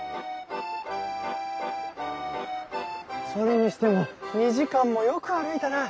それにしても２時間もよく歩いたな。